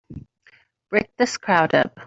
Break this crowd up!